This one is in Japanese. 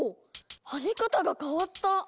跳ね方が変わった！